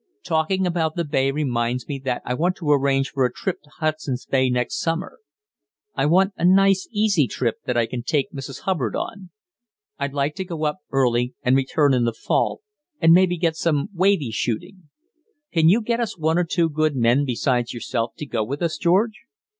Talking about the bay reminds me that I want to arrange for a trip to Hudson's Bay next summer. I want a nice, easy trip that I can take Mrs. Hubbard on. I'd like to go up early and return in the fall, and maybe get some wavey shooting. Could you get one or two good men besides yourself to go with us, George?"